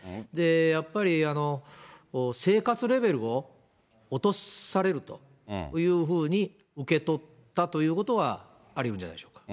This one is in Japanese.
やっぱり生活レベルを落とされるというふうに受け取ったということはありうるんじゃないでしょうか。